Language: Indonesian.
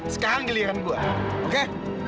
sekarang giliran gue oke